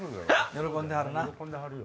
喜んではるな。